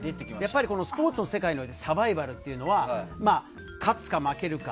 やっぱりスポーツの世界のサバイバルっていうのは勝つか負けるか。